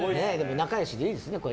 仲良しでいいですね。